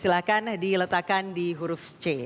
silahkan diletakkan di huruf c